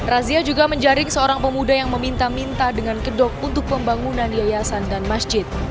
razia juga menjaring seorang pemuda yang meminta minta dengan kedok untuk pembangunan yayasan dan masjid